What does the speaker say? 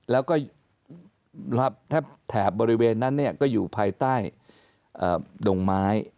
แล้วก็แถบบริเวณนั้นก็อยู่ภายใต้ดงไม้